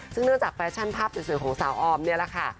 ซึ่งเนื่องจากแฟชั่นภาพสวยของสาวออมนี่แหละค่ะ